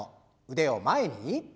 腕を前に。